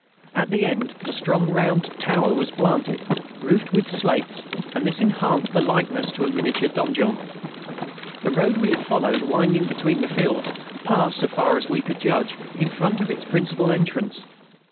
At the end a strong round tower was planted, roofed with slates; and this enhanced the likeness to a miniature donjon. The road we had followed, winding between the fields, passed, so far as we could judge, in front of its principal entrance.